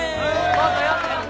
もっと寄って寄って。